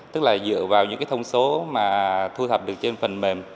tức là dựa vào những thông số thu thập trên phần mềm